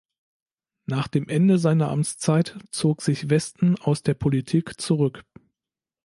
Nach dem Ende seiner Amtszeit zog sich Weston aus der Politik zurück.